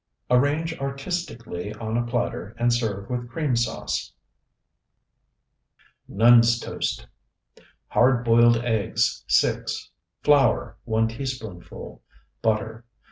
Arrange artistically on a platter, and serve with cream sauce. NUN'S TOAST Hard boiled eggs, 6. Flour, 1 teaspoonful. Butter.